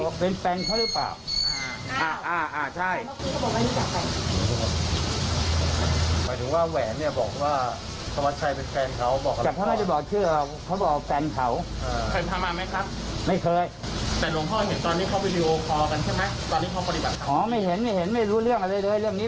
ว่าเป็นแฟนเขาหรือเปล่า